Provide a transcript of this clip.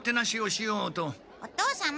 お父様！